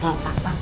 pak pak pak